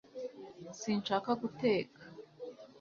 sinshaka guteka